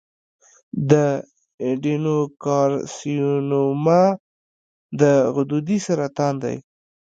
د ایڈینوکارسینوما د غدودي سرطان دی.